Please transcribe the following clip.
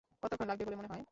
কতক্ষণ লাগবে বলে মনে হয়?